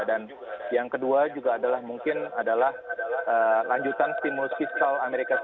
dan yang kedua juga adalah mungkin adalah lanjutan stimulus fiscal as